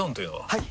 はい！